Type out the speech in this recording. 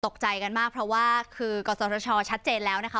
ตกใจกันมากเพราะว่าคือกศชชัดเจนแล้วนะคะ